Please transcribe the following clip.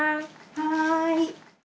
はい。